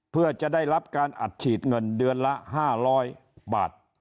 เพื่อจะได้รับการอัดฉีดเงินเดือนละ๕๐๐บาท